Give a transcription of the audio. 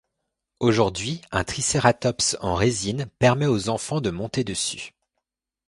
Aujourd'hui, un triceratops en résine permettent aux enfants de monter dessus.